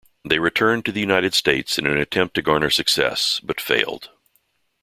They returned to the United States in an attempt to garner success, but failed.